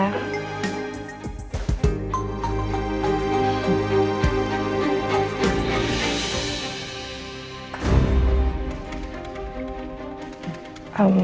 makasih ya tante